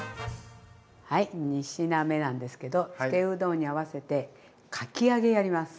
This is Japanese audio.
はい２品目なんですけどつけうどんに合わせてかき揚げやります。